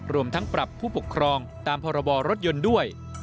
รวมทั้งปรับผู้ปกครองตามพรบรถยนต์ด้วย